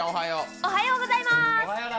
おはようございます。